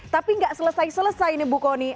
tapi gak selesai selesai nih bu kony